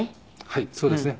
はいそうですね。